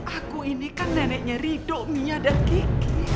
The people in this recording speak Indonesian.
aku ini kan neneknya rido mia dan kiki